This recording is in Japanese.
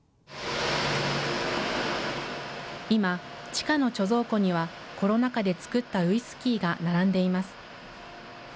今、地下の貯蔵庫には、コロナ禍で造ったウイスキーが並んでいます。